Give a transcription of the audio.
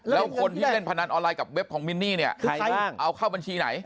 แล้วคนที่เล่นพนันออนไลน์กับเบ็บของมินนี่เนี่ยใครเอาเข้าบัญชีไหน